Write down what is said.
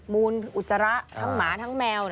มูลอุจจาระทั้งหมาทั้งแมว